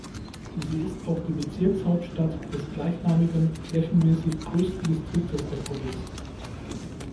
Sie ist auch die Bezirkshauptstadt des gleichnamigen, flächenmäßig größten Distriktes der Provinz.